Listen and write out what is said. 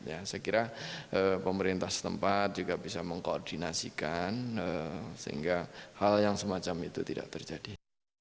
saya kira pemerintah setempat juga bisa mengkoordinasikan sehingga hal yang semacam itu tidak terjadi